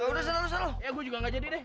udah lu terusin ya gua juga ga jadi deh